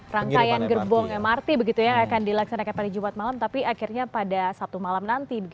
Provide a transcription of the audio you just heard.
rangkaian gerbong mrt begitu yang akan dilaksanakan pada jumat malam tapi akhirnya pada sabtu malam nanti